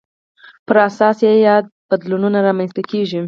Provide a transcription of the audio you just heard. پر اساس یې یاد بدلونونه رامنځته کېږي.